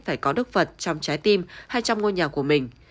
phải có đức phật trong trái tim hay trong ngôi nhà của mình